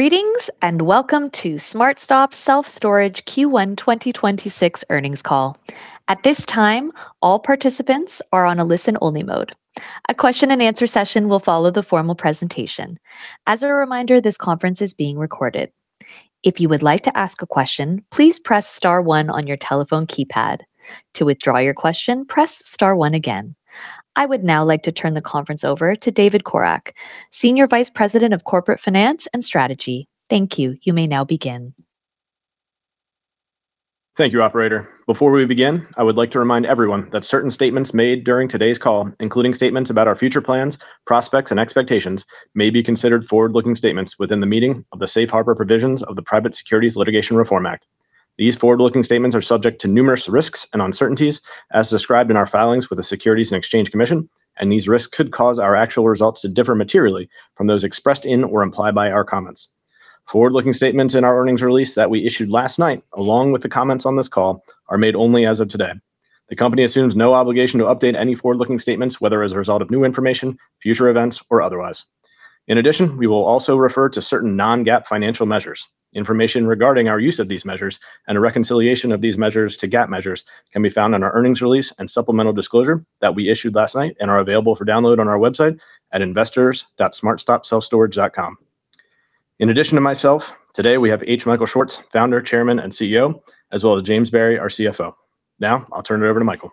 Greetings and welcome to SmartStop Self Storage Q1 2026 Earnings Call, at this time all participants are on listen-only mode. A question and answer session will follow the formal presentation. As a reminder this conference is being recorded. If you would like to ask a question, please press star one on your telephone keypad. To withdraw your question press star one again. I would now like to turn the conference over to David Corak, Senior Vice President of Corporate Finance and Strategy. Thank you. You may now begin. Thank you, operator. Before we begin, I would like to remind everyone that certain statements made during today's call, including statements about our future plans, prospects, and expectations, may be considered forward-looking statements within the meaning of the safe harbor provisions of the Private Securities Litigation Reform Act. These forward-looking statements are subject to numerous risks and uncertainties as described in our filings with the Securities and Exchange Commission, and these risks could cause our actual results to differ materially from those expressed in or implied by our comments. Forward-looking statements in our earnings release that we issued last night, along with the comments on this call, are made only as of today. The company assumes no obligation to update any forward-looking statements, whether as a result of new information, future events, or otherwise. In addition, we will also refer to certain non-GAAP financial measures. Information regarding our use of these measures and a reconciliation of these measures to GAAP measures can be found on our earnings release and supplemental disclosure that we issued last night and are available for download on our website at investors.smartstopselfstorage.com. In addition to myself, today we have H. Michael Schwartz, Founder, Chairman, and CEO, as well as James Barry, our CFO. I'll turn it over to Michael.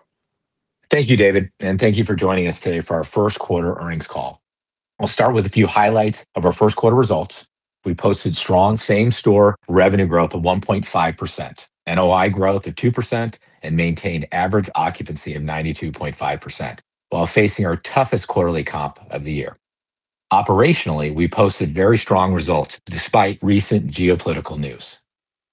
Thank you, David, and thank you for joining us today for our Q1 earnings call. I'll start with a few highlights of our Q1 results. We posted strong same-store revenue growth of 1.5%, NOI growth of 2%, and maintained average occupancy of 92.5% while facing our toughest quarterly comp of the year. Operationally, we posted very strong results despite recent geopolitical news.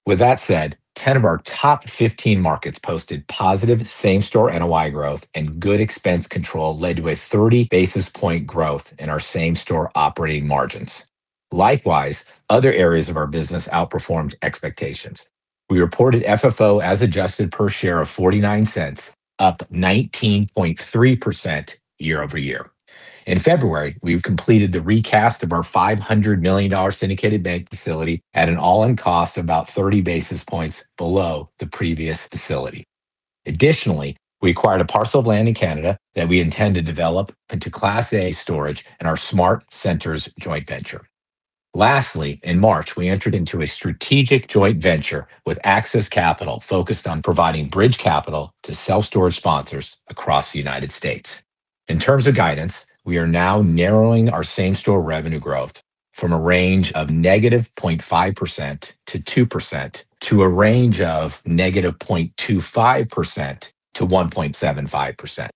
That said, 10 of our top 15 markets posted positive same-store NOI growth and good expense control led to a 30 basis point growth in our same-store operating margins. Likewise, other areas of our business outperformed expectations. We reported FFO as adjusted per share of $0.49, up 19.3% YoY. In February, we've completed the recast of our $500 million syndicated bank facility at an all-in cost of about 30 basis points below the previous facility. We acquired a parcel of land in Canada that we intend to develop into Class A storage in our SmartCentres joint venture. Lastly, in March, we entered into a strategic joint venture with Axis Capital focused on providing bridge capital to self-storage sponsors across the U.S. In terms of guidance, we are now narrowing our same-store revenue growth from a range of -0.5%-2% to a range of -0.25%-1.75%.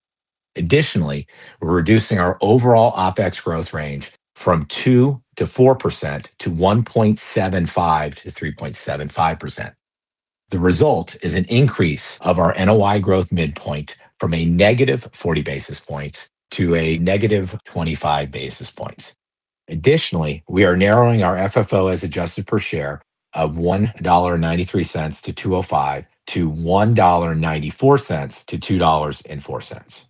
We're reducing our overall OpEx growth range from 2%-4% to 1.75%-3.75%. The result is an increase of our NOI growth midpoint from a negative 40 basis points to a negative 25 basis points. Additionally, we are narrowing our FFO as adjusted per share of $1.93-$2.05 to $1.94-$2.04.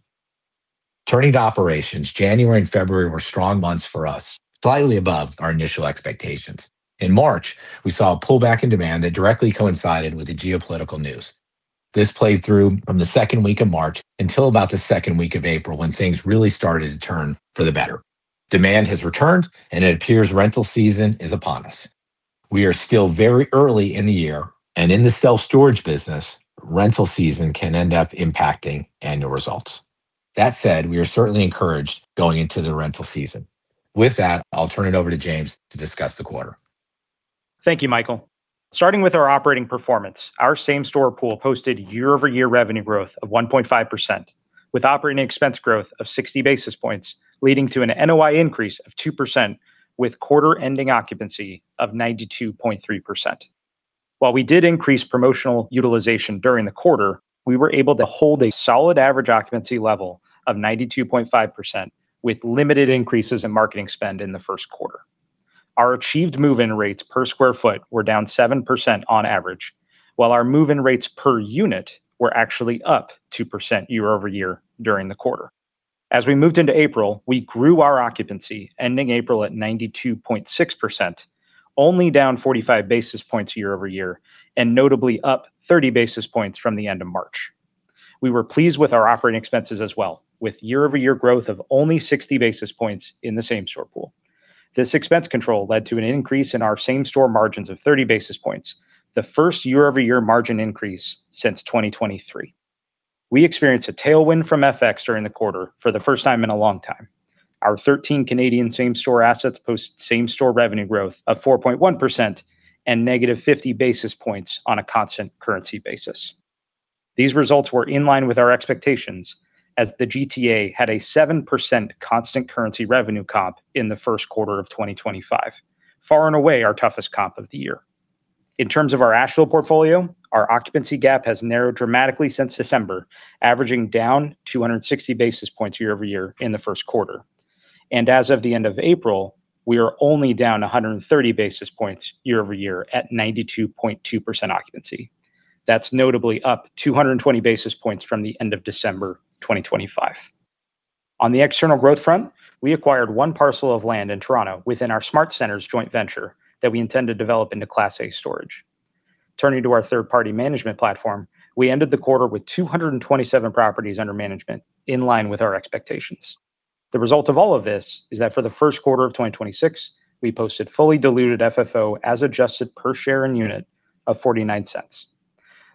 Turning to operations, January and February were strong months for us, slightly above our initial expectations. In March, we saw a pullback in demand that directly coincided with the geopolitical news. This played through from the second week of March until about the second week of April when things really started to turn for the better. Demand has returned, and it appears rental season is upon us. We are still very early in the year, and in the self-storage business, rental season can end up impacting annual results. That said, we are certainly encouraged going into the rental season. With that, I'll turn it over to James to discuss the quarter. Thank you, Michael. Starting with our operating performance, our same-store pool posted YoY revenue growth of 1.5%, with operating expense growth of 60 basis points, leading to an NOI increase of 2%, with quarter-ending occupancy of 92.3%. While we did increase promotional utilization during the quarter, we were able to hold a solid average occupancy level of 92.5%, with limited increases in marketing spend in the Q1. Our achieved move-in rates per square foot were down 7% on average, while our move-in rates per unit were actually up 2% YoY during the quarter. As we moved into April, we grew our occupancy, ending April at 92.6%, only down 45 basis points YoY, and notably up 30 basis points from the end of March. We were pleased with our operating expenses as well, with YoY growth of only 60 basis points in the same-store pool. This expense control led to an increase in our same-store margins of 30 basis points, the first YoY margin increase since 2023. We experienced a tailwind from FX during the quarter for the first time in a long time. Our 13 Canadian same-store assets post same-store revenue growth of 4.1% and negative 50 basis points on a constant currency basis. These results were in line with our expectations as the GTA had a 7% constant currency revenue comp in the Q1 of 2025, far and away our toughest comp of the year. In terms of our Asheville portfolio, our occupancy gap has narrowed dramatically since December, averaging down 260 basis points YoY in the Q1. As of the end of April, we are only down 130 basis points YoY at 92.2% occupancy. That's notably up 220 basis points from the end of December 2025. On the external growth front, we acquired one parcel of land in Toronto within our SmartCentres joint venture that we intend to develop into Class A storage. Turning to our third-party management platform, we ended the quarter with 227 properties under management in line with our expectations. The result of all of this is that for the Q1 of 2026, we posted fully diluted FFO as adjusted per share and unit of $0.49.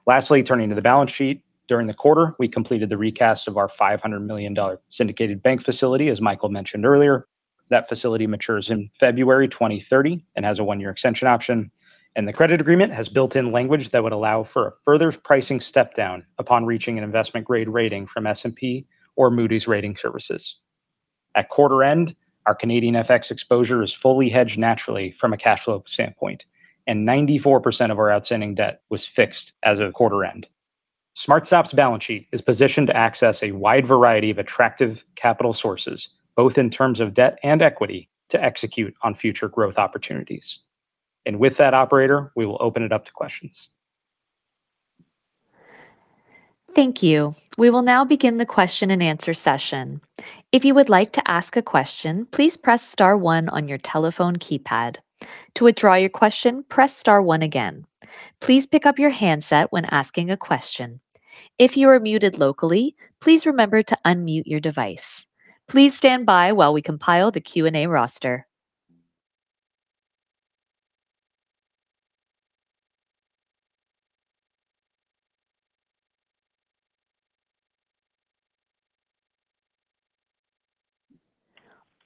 Lastly, turning to the balance sheet, during the quarter, we completed the recast of our $500 million syndicated bank facility, as Michael mentioned earlier. That facility matures in February 2030 and has a one-year extension option, and the credit agreement has built-in language that would allow for a further pricing step down upon reaching an investment grade rating from S&P or Moody's Ratings. At quarter end, our Canadian FX exposure is fully hedged naturally from a cash flow standpoint, and 94% of our outstanding debt was fixed as of quarter end. SmartStop's balance sheet is positioned to access a wide variety of attractive capital sources, both in terms of debt and equity, to execute on future growth opportunities. With that, operator, we will open it up to questions. Thank you. We will now begin the question and answer session. If you would like to ask a question, please press star one on your telephone keypad. To withdraw your question press star one again. Please pick up your handset when asking your question. If you are muted locally please, remember to unmute your device. Please stand-by as we compile the Q&A roster.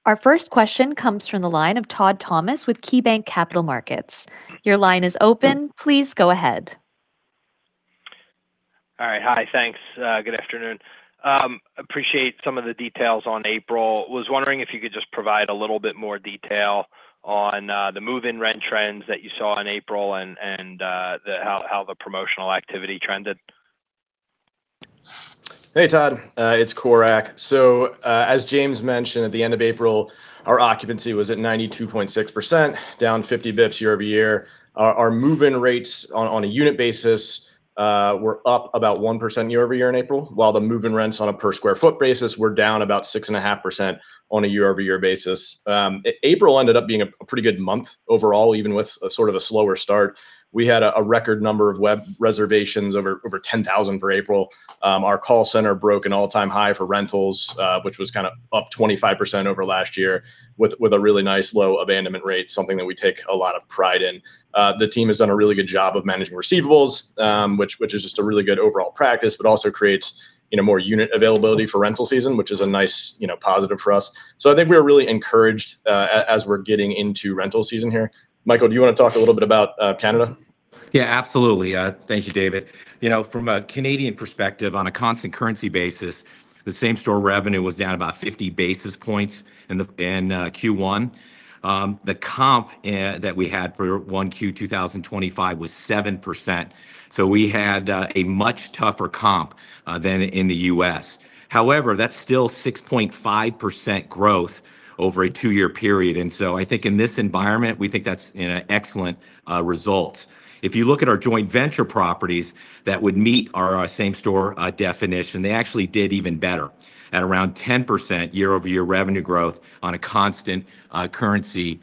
Our first question comes from the line of Todd Thomas with KeyBanc Capital Markets. Your line is open. Please go ahead. All right. Hi. Thanks. Good afternoon. Appreciate some of the details on April. Was wondering if you could just provide a little bit more detail on the move-in rent trends that you saw in April and the how the promotional activity trended? Hey, Todd. It's Corak. As James mentioned, at the end of April, our occupancy was at 92.6%, down 50 basis points YoY. Our move-in rates on a unit basis were up about 1% YoY in April, while the move-in rents on a per square foot basis were down about 6.5% on a YoY basis. April ended up being a pretty good month overall, even with a sort of a slower start. We had a record number of web reservations, over 10,000 for April. Our call center broke an all-time high for rentals, which was kind of up 25% over last year with a really nice low abandonment rate, something that we take a lot of pride in. The team has done a really good job of managing receivables, which is just a really good overall practice, but also creates, you know, more unit availability for rental season, which is a nice, you know, positive for us. I think we are really encouraged as we're getting into rental season here. Michael, do you wanna talk a little bit about Canada? Yeah, absolutely. Thank you, David Corak. You know, from a Canadian perspective, on a constant currency basis, the same-store revenue was down about 50 basis points in the Q1. The comp that we had for Q1 2025 was 7%. We had a much tougher comp than in the U.S.. However, that's still 6.5% growth over a two-year period. I think in this environment, we think that's an excellent result. If you look at our joint venture properties that would meet our same-store definition, they actually did even better, at around 10% YoY revenue growth on a constant currency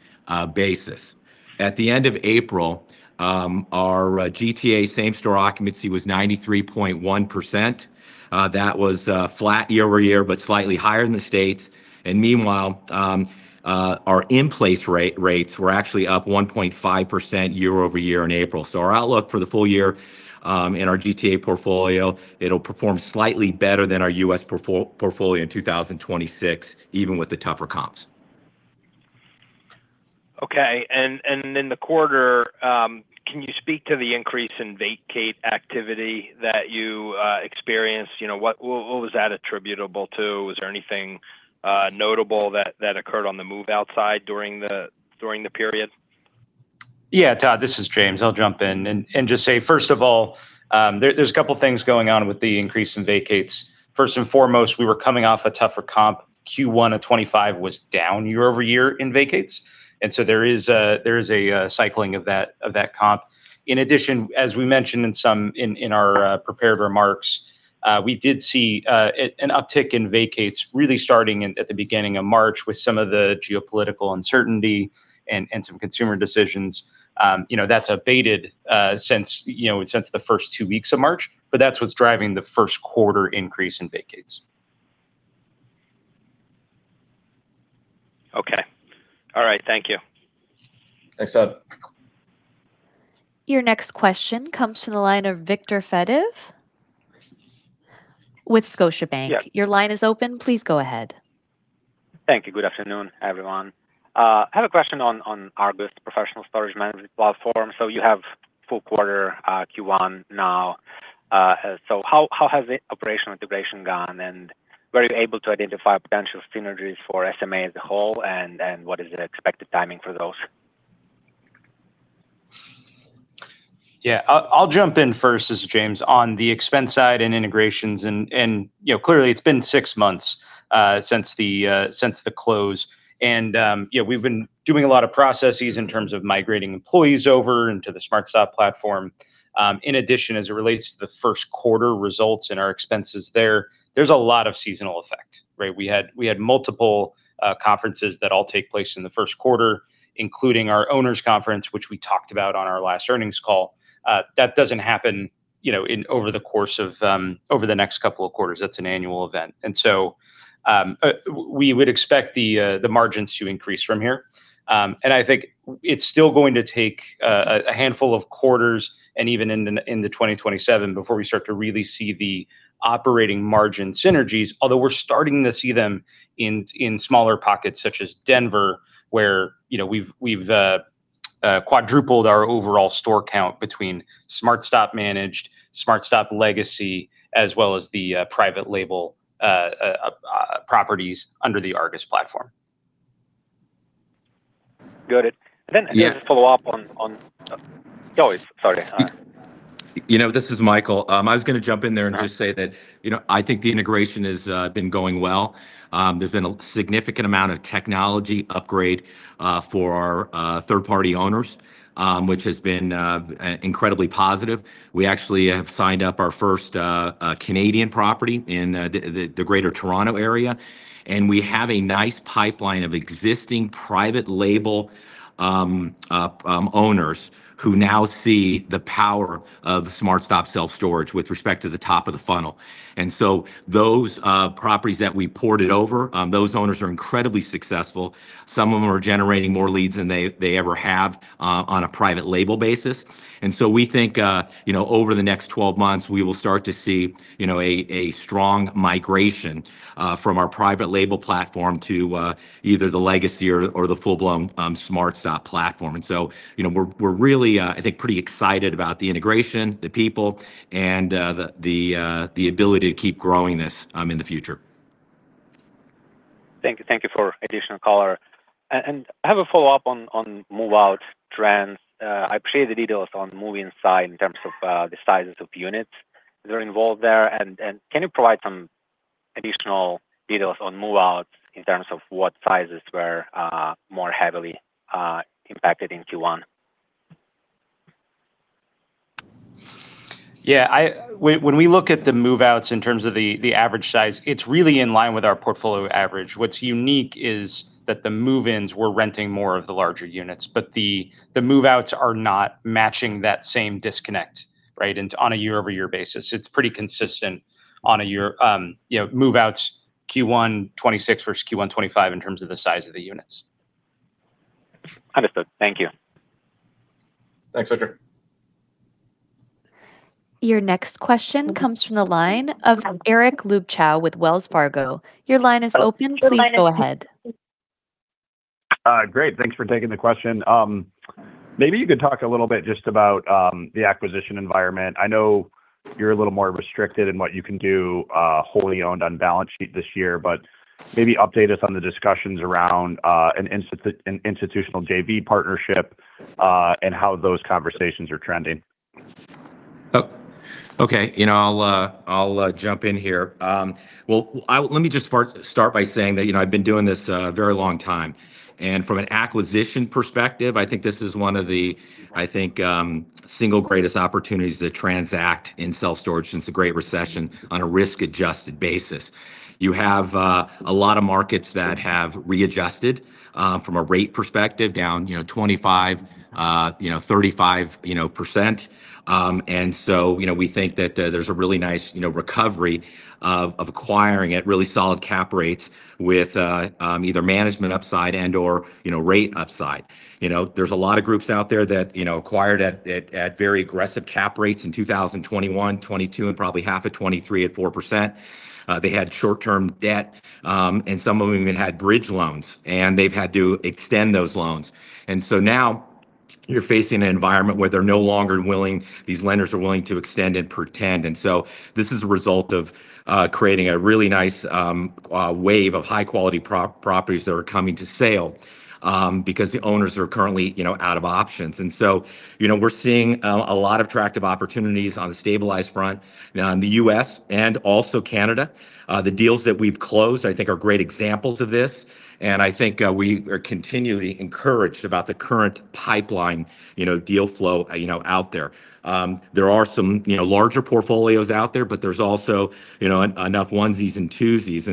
basis. At the end of April, our GTA same-store occupancy was 93.1%. That was flat YoY, but slightly higher than the U.S. Meanwhile, our in-place rate, rates were actually up 1.5% YoY in April. Our outlook for the full year, in our GTA portfolio, it will perform slightly better than our U.S. portfolio in 2026, even with the tougher comps. Okay. In the quarter, can you speak to the increase in vacate activity that you experienced? You know, what was that attributable to? Was there anything notable that occurred on the move-outside during the period? Todd, this is James. I'll jump in and just say, first of all, there's a couple things going on with the increase in vacates. First and foremost, we were coming off a tougher comp. Q1 of 2025 was down YoY in vacates, there is a cycling of that comp. In addition, as we mentioned in our prepared remarks, we did see an uptick in vacates really starting at the beginning of March with some of the geopolitical uncertainty and some consumer decisions. You know, that's abated since, you know, since the first two weeks of March, that's what's driving the Q1 increase in vacates. Okay. All right. Thank you. Thanks, Todd. Your next question comes from the line of Viktor Fediv with Scotiabank. Yeah. Your line is open. Please go ahead. Thank you. Good afternoon, everyone. I have a question on Argus Professional Storage Management platform. You have full quarter, Q1 now. How has the operational integration gone, and were you able to identify potential synergies for SMA as a whole, and what is the expected timing for those? I'll jump in first. This is James. On the expense side and integrations, you know, clearly it's been six months since the close, and, you know, we've been doing a lot of processes in terms of migrating employees over into the SmartStop platform. In addition, as it relates to the Q1 results and our expenses there's a lot of seasonal effect. We had multiple conferences that all take place in the Q1, including our owners conference, which we talked about on our last earnings call. That doesn't happen, you know, in, over the course of, over the next couple of quarters. That's an annual event. We would expect the margins to increase from here. I think it's still going to take a handful of quarters and even into 2027 before we start to really see the operating margin synergies. Although we're starting to see them in smaller pockets such as Denver, where, you know, we've quadrupled our overall store count between SmartStop managed, SmartStop legacy, as well as the private label properties under the Argus platform. Good. Yeah. Just to follow up on, Oh, sorry. This is Michael. I was going to jump in there and just say that, you know, I think the integration has been going well. There's been a significant amount of technology upgrade for our third party owners, which has been incredibly positive. We actually have signed up our first Canadian property in the Greater Toronto Area. We have a nice pipeline of existing private label owners who now see the power of SmartStop Self Storage with respect to the top of the funnel. Those properties that we ported over, those owners are incredibly successful. Some of them are generating more leads than they ever have on a private label basis. We think, you know, over the next 12 months, we will start to see, you know, a strong migration from our private label platform to either the legacy or the full-blown SmartStop platform. You know, we're really, I think, pretty excited about the integration, the people and the ability to keep growing this in the future. Thank you. Thank you for additional color. I have a follow-up on move-out trends. I appreciate the details on move-in side in terms of the sizes of units that are involved there and can you provide some additional details on move-outs in terms of what sizes were more heavily impacted in Q1? When we look at the move-outs in terms of the average size, it's really in line with our portfolio average. What's unique is that the move-ins were renting more of the larger units, but the move-outs are not matching that same disconnect, right? On a YoY basis, it's pretty consistent on a year, you know, move-outs Q1 2026 versus Q1 2025 in terms of the size of the units. Understood. Thank you. Thanks, Viktor. Your next question comes from the line of Eric Luebchow with Wells Fargo. Your line is open. Please go ahead. Great, thanks for taking the question. Maybe you could talk a little bit just about the acquisition environment. I know you're a little more restricted in what you can do, wholly owned on balance sheet this year, but maybe update us on the discussions around an institutional JV partnership and how those conversations are trending. Okay. You know, I'll jump in here. Well, let me just start by saying that, I've been doing this a very long time. From an acquisition perspective, I think this is one of the, I think, single greatest opportunities to transact in self storage since the Great Recession on a risk-adjusted basis. You have a lot of markets that have readjusted from a rate perspective down, you know, 25%, you know, 35%, you know, %. You know, we think that there's a really nice, you know, recovery of acquiring at really solid cap rates with either management upside and/or, you know, rate upside. There's a lot of groups out there that acquired at very aggressive cap rates in 2021, 2022, and probably half of 2023 at 4%. They had short-term debt, and some of them even had bridge loans, and they've had to extend those loans. Now you're facing an environment where they're no longer willing to extend and pretend. This is a result of creating a really nice wave of high quality properties that are coming to sale because the owners are currently out of options. We're seeing a lot of attractive opportunities on the stabilized front in the U.S. and also Canada. The deals that we've closed I think are great examples of this, and I think, we are continually encouraged about the current pipeline, you know, deal flow, you know, out there. There are some, larger portfolios out there, but there's also, you know, enough onesies and twosies.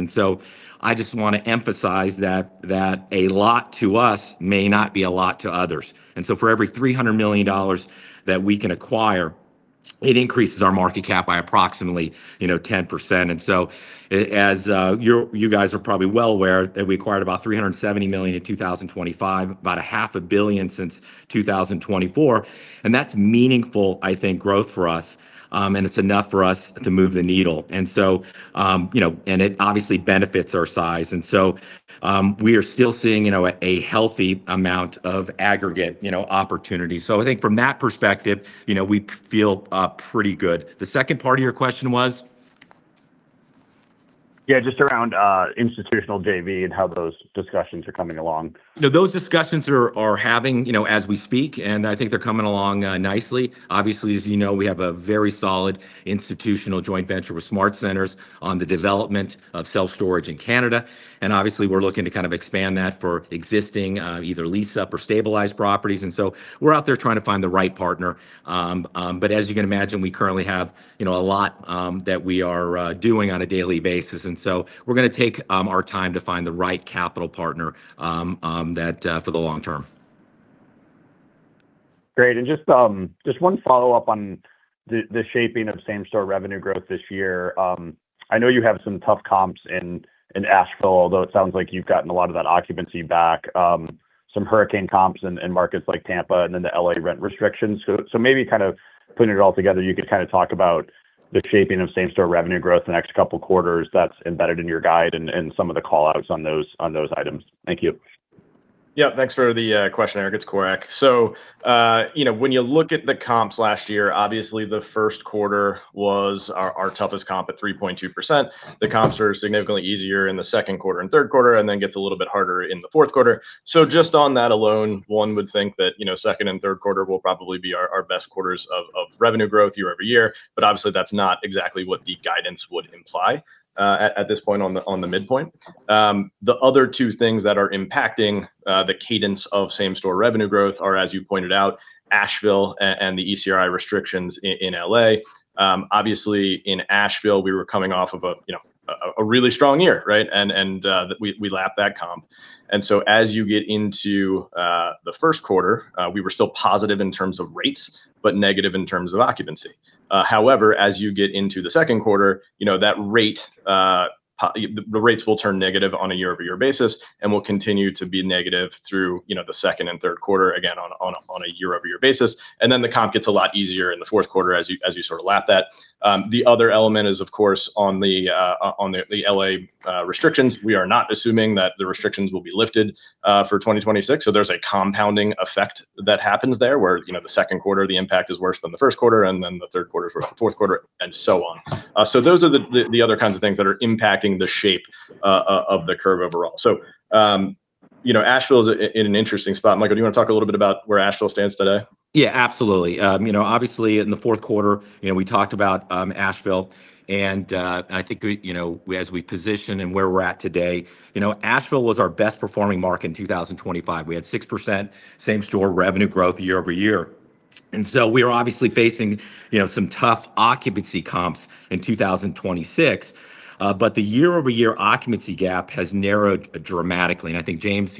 I just wanna emphasize that a lot to us may not be a lot to others. For every $300 million that we can acquire, it increases our market cap by approximately, you know, 10%. As you guys are probably well aware that we acquired about $370 million in 2025, about $500 billion since 2024, and that's meaningful, I think, growth for us. It's enough for us to move the needle. You know, and it obviously benefits our size. We are still seeing, a healthy amount of aggregate, you know, opportunity. I think from that perspective, you know, we feel pretty good. The second part of your question was? Yeah, just around institutional JV and how those discussions are coming along. No, those discussions are happening, as we speak. I think they're coming along nicely. Obviously, as you know, we have a very solid institutional joint venture with SmartCentres on the development of self storage in Canada. Obviously, we're looking to kind of expand that for existing either lease up or stabilized properties. We're out there trying to find the right partner. As you can imagine, we currently have a lot that we are doing on a daily basis. We're gonna take our time to find the right capital partner that for the long term. Great. Just one follow-up on the shaping of same-store revenue growth this year. I know you have some tough comps in Asheville, although it sounds like you've gotten a lot of that occupancy back. Some hurricane comps in markets like Tampa, and then the L.A. rent restrictions. Maybe kind of putting it all together, you could kind of talk about the shaping of same-store revenue growth the next couple quarters that's embedded in your guide and some of the call-outs on those, on those items. Thank you. Yeah. Thanks for the question, Eric. It's Corak. So, you know, when you look at the comps last year, obviously the Q1 was our toughest comp at 3.2%. The comps are significantly easier in the Q2 and Q3, gets a little bit harder in the Q4. Just on that alone, one would think that, you know, second and Q3 will probably be our best quarters of revenue growth YoY. Obviously, that's not exactly what the guidance would imply at this point on the midpoint. The other two things that are impacting the cadence of same-store revenue growth are, as you pointed out, Asheville and the ECRI restrictions in L.A.. Obviously in Asheville, we were coming off of a, you know, a really strong year, right? We lapped that comp. As you get into the Q1, we were still positive in terms of rates, but negative in terms of occupancy. However, as you get into the Q2, you know, that rate, the rates will turn negative on a YoY basis and will continue to be negative through, you know, the Q2 and Q3, again, on a YoY basis. The comp gets a lot easier in the Q4 as you sort of lap that. The other element is, of course, on the L.A. restrictions. We are not assuming that the restrictions will be lifted for 2026. There's a compounding effect that happens there, where, you know, the Q2, the impact is worse than the Q1, and then the Q3 is worse than the Q4, and so on. Those are the other kinds of things that are impacting the shape of the curve overall. You know, Asheville is in an interesting spot. Michael, do you want to talk a little bit about where Asheville stands today? Yeah, absolutely. Obviously in the Q4, we talked about Asheville. I think as we position and where we're at today, Asheville was our best performing market in 2025. We had 6% same-store revenue growth YoY. We are obviously facing some tough occupancy comps in 2026. The YoY occupancy gap has narrowed dramatically. I think James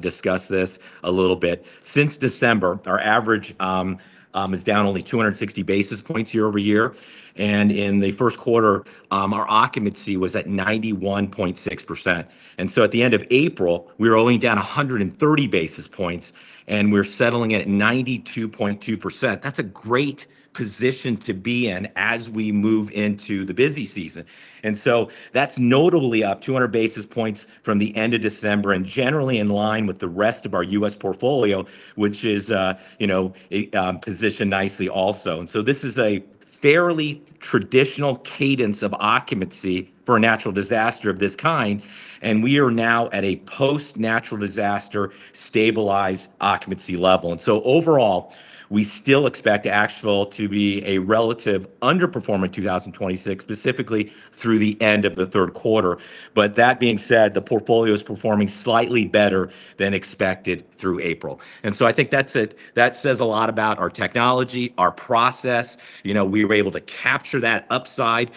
discussed this a little bit. Since December, our average is down only 260 basis points YoY. In the Q1, our occupancy was at 91.6%. At the end of April, we were only down 130 basis points, and we're settling at 92.2%. That's a great position to be in as we move into the busy season. That's notably up 200 basis points from the end of December and generally in line with the rest of our U.S. portfolio, which is, you know, positioned nicely also. This is a fairly traditional cadence of occupancy for a natural disaster of this kind, and we are now at a post natural disaster stabilized occupancy level. Overall, we still expect Asheville to be a relative underperform in 2026, specifically through the end of the Q3. That being said, the portfolio is performing slightly better than expected through April. I think that says a lot about our technology, our process. You know, we were able to capture that upside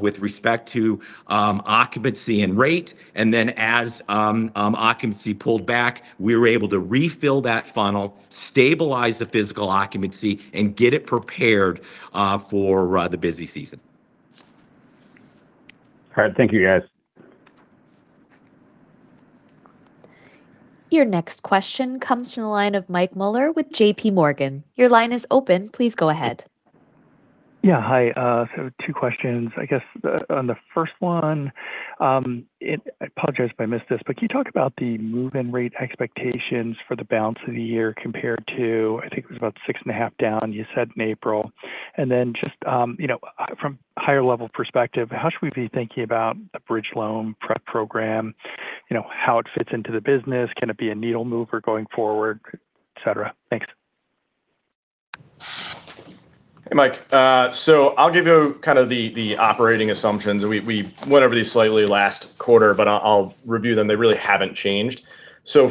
with respect to occupancy and rate. As occupancy pulled back, we were able to refill that funnel, stabilize the physical occupancy, and get it prepared for the busy season. All right. Thank you, guys. Your next question comes from the line of Michael Mueller with J.P. Morgan. Your line is open. Please go ahead. Yeah. Hi. Two questions. I guess, on the first one, I apologize if I missed this, but can you talk about the move-in rate expectations for the balance of the year compared to, I think it was about 6.5% down, you said in April. You know, from higher level perspective, how should we be thinking about a bridge loan pref program? You know, how it fits into the business? Can it be a needle mover going forward, et cetera? Thanks. Hey, Mike. I'll give you kind of the operating assumptions. We went over these slightly last quarter. I'll review them. They really haven't changed.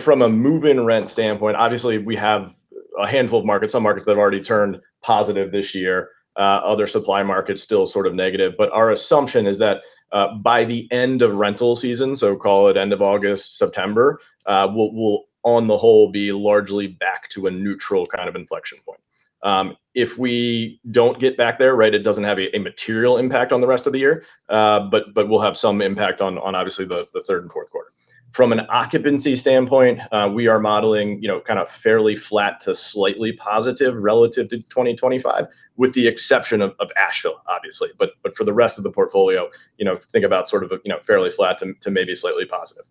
From a move-in rent standpoint, obviously we have a handful of markets, some markets that have already turned positive this year, other supply markets still sort of negative. Our assumption is that by the end of rental season, so call it end of August, September, we'll on the whole be largely back to a neutral kind of inflection point. If we don't get back there, right, it doesn't have a material impact on the rest of the year. We'll have some impact on obviously the Q3 and Q4. From an occupancy standpoint, we are modeling, you know, kind of fairly flat to slightly positive relative to 2025, with the exception of Asheville, obviously. For the rest of the portfolio, you know, think about sort of, you know, fairly flat to maybe slightly positive.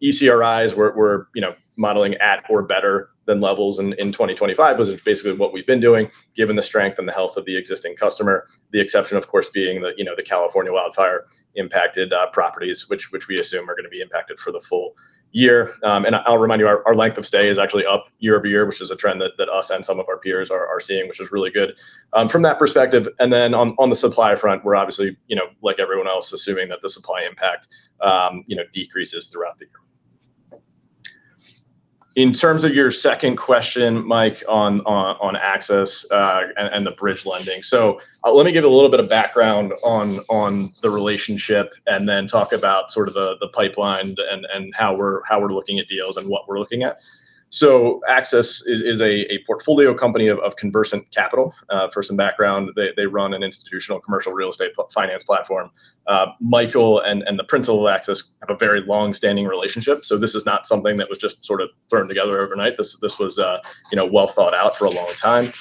ECRIs we're, you know, modeling at or better than levels in 2025, which is basically what we've been doing given the strength and the health of the existing customer. The exception, of course, being the, you know, the California wildfire impacted properties, which we assume are gonna be impacted for the full year. I'll remind you our length of stay is actually up year over year, which is a trend that us and some of our peers are seeing, which is really good from that perspective. On the supply front, we're obviously, you know, like everyone else assuming that the supply impact, you know, decreases throughout the year. In terms of your second question, Mike, on Axis and the bridge lending. Let me give a little bit of background on the relationship and talk about sort of the pipeline and how we're looking at deals and what we're looking at. Axis is a portfolio company of Conversant Capital. For some background, they run an institutional commercial real estate finance platform. Michael and the principal of Axis have a very long-standing relationship, this is not something that was just sort of thrown together overnight. This was, you know, well thought out for a long time.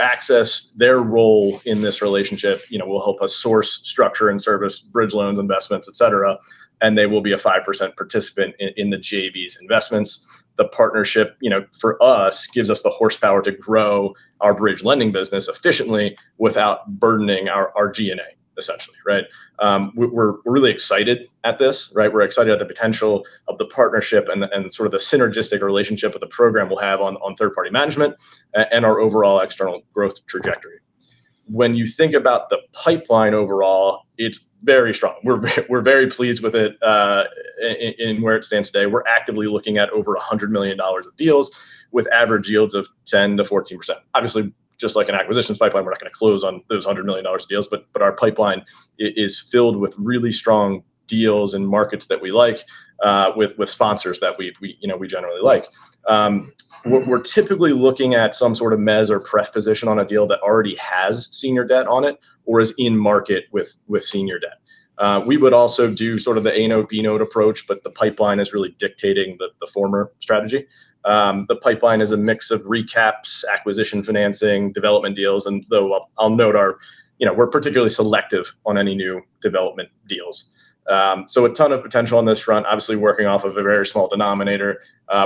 Axis, their role in this relationship, you know, will help us source, structure, and service bridge loans, investments, et cetera, and they will be a 5% participant in the JVs investments. The partnership, you know, for us, gives us the horsepower to grow our bridge lending business efficiently without burdening our G&A, essentially, right? We're really excited at this, right? We're excited at the potential of the partnership and sort of the synergistic relationship that the program will have on third-party management and our overall external growth trajectory. When you think about the pipeline overall, it's very strong. We're very pleased with it in where it stands today. We're actively looking at over $100 million of deals with average yields of 10%-14%. Obviously, just like an acquisitions pipeline, we're not gonna close on those $100 million deals, but our pipeline is filled with really strong deals and markets that we like, with sponsors that we, you know, we generally like. What we're typically looking at some sort of mezz or pref position on a deal that already has senior debt on it or is in market with senior debt. We would also do sort of the A note, B note approach, but the pipeline is really dictating the former strategy. The pipeline is a mix of recaps, acquisition financing, development deals, and though I'll note our, you know, we're particularly selective on any new development deals. A ton of potential on this front. Obviously working off of a very small denominator.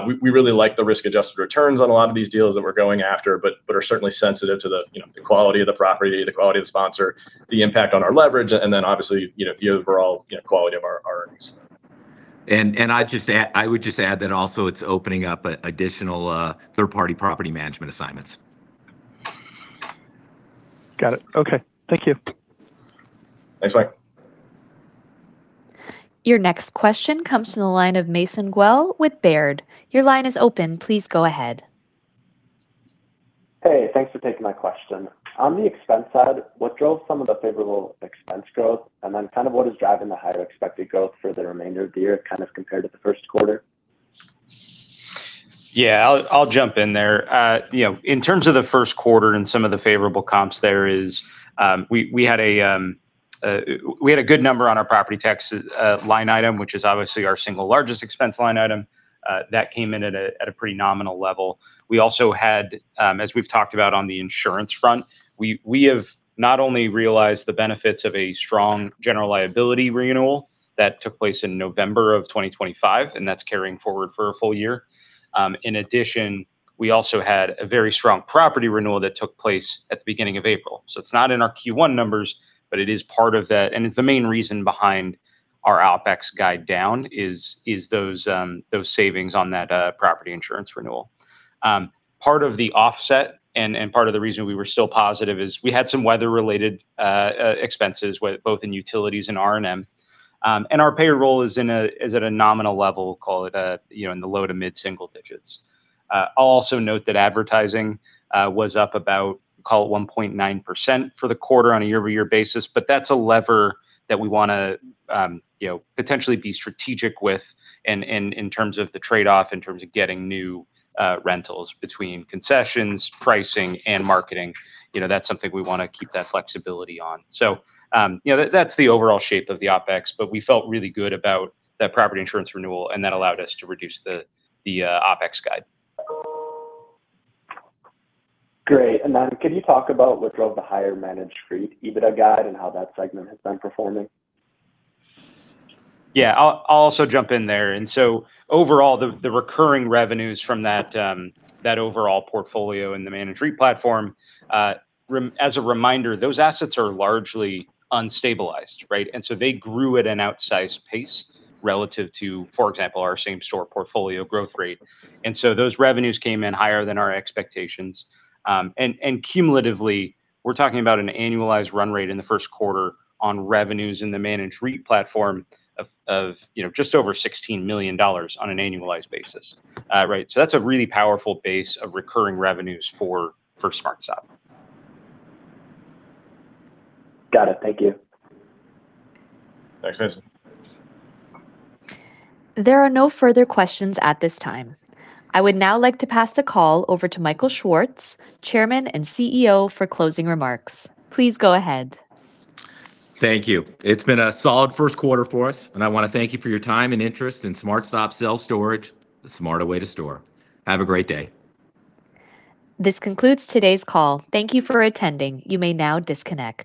We really like the risk-adjusted returns on a lot of these deals that we're going after, but are certainly sensitive to the, you know, the quality of the property, the quality of the sponsor, the impact on our leverage, and then obviously, you know, the overall, you know, quality of our earnings. I would just add that also it's opening up an additional third-party property management assignments. Got it. Okay, thank you. Thanks, Mike. Your next question comes from the line of Mason Guell with Baird. Your line is open. Please go ahead. Hey, thanks for taking my question. On the expense side, what drove some of the favorable expense growth, and then kind of what is driving the higher expected growth for the remainder of the year kind of compared to the Q1? Yeah, I'll jump in there. You know, in terms of the Q1 and some of the favorable comps there is, we had a good number on our property tax line item, which is obviously our single largest expense line item. That came in at a pretty nominal level. We also had, as we've talked about on the insurance front, we have not only realized the benefits of a strong general liability renewal that took place in November of 2025, and that's carrying forward for a whole year. In addition, we also had a very strong property renewal that took place at the beginning of April. It's not in our Q1 numbers, but it is part of that, and it's the main reason behind our OpEx guide down, is those savings on that property insurance renewal. Part of the offset and part of the reason we were still positive is we had some weather-related expenses both in utilities and R&M. And our payroll is at a nominal level, we'll call it, you know, in the low to mid-single digits. I'll also note that advertising was up about, call it 1.9% for the quarter on a YoY basis, but that's a lever that we wanna, you know, potentially be strategic with in terms of the trade-off, in terms of getting new rentals between concessions, pricing, and marketing. You know, that's something we wanna keep that flexibility on. That's the overall shape of the OpEx, but we felt really good about that property insurance renewal, and that allowed us to reduce the OpEx guide. Great. Could you talk about what drove the higher managed REIT EBITDA guide and how that segment has been performing? I'll also jump in there. Overall, the recurring revenues from that overall portfolio in the managed REIT platform, as a reminder, those assets are largely unstabilized, right? They grew at an outsized pace relative to, for example, our same store portfolio growth rate. Those revenues came in higher than our expectations. Cumulatively, we're talking about an annualized run rate in the Q1 on revenues in the managed REIT platform of, you know, just over $16 million on an annualized basis. Right. That's a really powerful base of recurring revenues for SmartStop. Got it. Thank you. Thanks, Mason. There are no further questions at this time. I would now like to pass the call over to Michael Schwartz, Chairman and CEO, for closing remarks. Please go ahead. Thank you. It's been a solid Q1 for us, I wanna thank you for your time and interest in SmartStop Self Storage, The Smarter Way to Store. Have a great day. This concludes today's call. Thank you for attending. You may now disconnect.